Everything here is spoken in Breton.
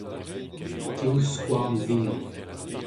div skouarn vihan.